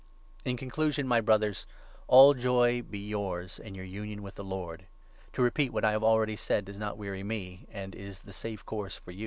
In conclusion, my Brothers, all joy be yours in your union i with the Lord. To repeat what I have already written does not weary me, and is the safe course for you.